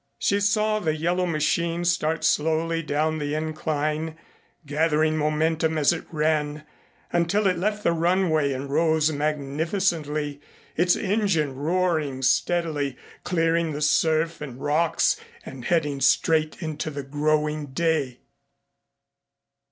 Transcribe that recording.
She saw the yellow machine start slowly down the incline, gathering momentum as it ran until it left the runway and rose magnificently, its engine roaring steadily, clearing the surf and rocks and heading straight into the growing day.